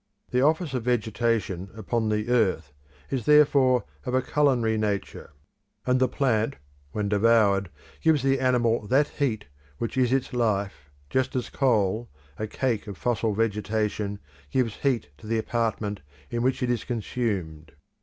The office of vegetation upon the earth is therefore of a culinary nature, and the plant, when devoured, gives the animal that heat which is its life, just as coal (a cake of fossil vegetation) gives heat to the apartment in which it is consumed.